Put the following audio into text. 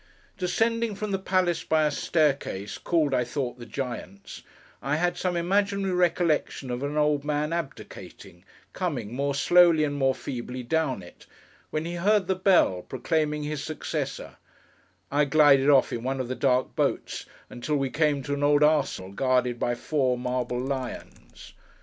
Descending from the palace by a staircase, called, I thought, the Giant's—I had some imaginary recollection of an old man abdicating, coming, more slowly and more feebly, down it, when he heard the bell, proclaiming his successor—I glided off, in one of the dark boats, until we came to an old arsenal guarded by four marble lions.